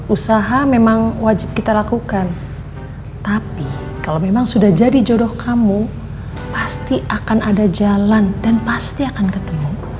usaha memang wajib kita lakukan tapi kalau memang sudah jadi jodoh kamu pasti akan ada jalan dan pasti akan ketemu